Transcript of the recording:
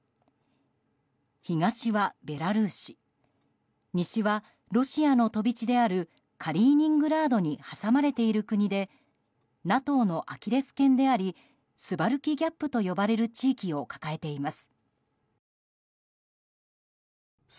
東はベラルーシ西はロシアの飛び地であるカリーニングラードに挟まれている国でＮＡＴＯのアキレス腱でありスバルキ・ギャップと呼ばれる地域を抱えています。